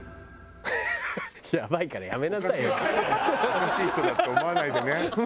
おかしい人だって思わないでね。